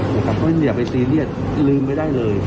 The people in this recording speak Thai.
อย่าไปซีเรียสลืมไปได้เลย